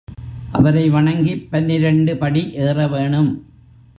அவரை வணங்கிப் பன்னிரண்டு படி ஏற வேணும்.